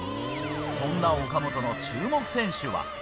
そんな岡本の注目選手は。